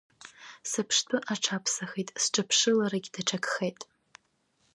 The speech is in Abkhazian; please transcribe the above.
Сыԥштәы аҽаԥсахит, сҿаԥшыларагьы даҽакхеит.